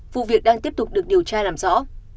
vụ việc đang tiếp tục được điều tra làm rõ